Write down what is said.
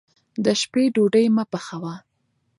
د شپې ډوډۍ مه پخوه.